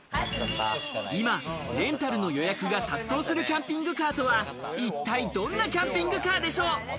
今、レンタルの予約が殺到するキャンピングカーとは一体どんなキャンピングカーでしょう？